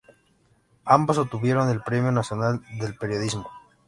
Ambos obtuvieron el Premio Nacional de Periodismo.